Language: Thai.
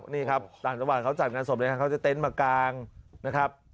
นี่ครับต่างจังหวัดเขาจัดงานศพเลยครับเขาจะเต็นต์มากางนะครับ